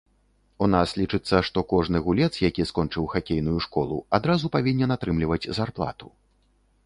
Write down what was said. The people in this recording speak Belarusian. У нас лічыцца, што кожны гулец, які скончыў хакейную школу, адразу павінен атрымліваць зарплату.